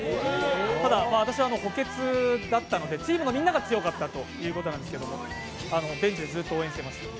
ただ私は補欠だったので、チームのみんなが強かったということなんですけれども、ベンチでずっと応援していました。